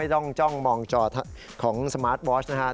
ต้องจ้องมองจอของสมาร์ทบอสนะครับ